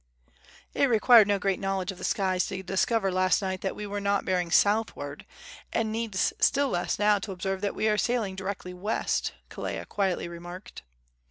"It required no great knowledge of the skies to discover last night that we were not bearing southward, and needs still less now to observe that we are sailing directly west," Kelea quietly remarked.